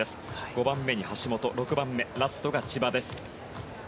５番目に橋本６番目、ラストが千葉です。